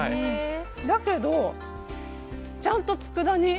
だけど、ちゃんとつくだ煮。